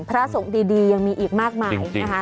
พระสงฆ์ดียังมีอีกมากมายนะคะ